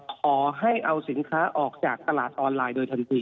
ขอให้เอาสินค้าออกจากตลาดออนไลน์โดยทันที